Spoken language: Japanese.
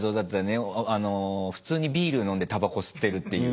普通にビール飲んでたばこ吸ってるっていう。